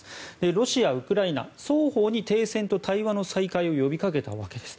ロシア、ウクライナ双方に停戦と対話の再開を呼びかけたわけです。